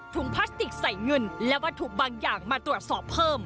พลาสติกใส่เงินและวัตถุบางอย่างมาตรวจสอบเพิ่ม